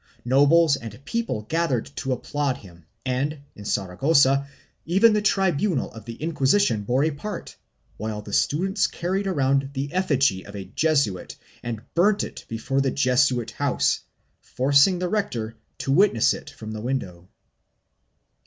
Nobles and peoples gathered to applaud him and, in Saragossa even the tribunal of the Inquisition bore a part, while the students carried around the effigy of a Jesuit and burnt it before the Jesuit house, forcing the rector to witness it from the window.